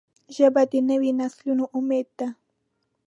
ژبه د نوي نسلونو امید ده